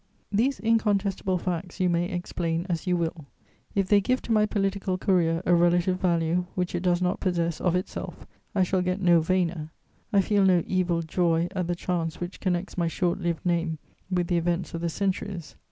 These incontestable facts you may explain as you will; if they give to my political career a relative value which it does not possess of itself, I shall get no vainer, I feel no evil joy at the chance which connects my short lived name with the events of the centuries.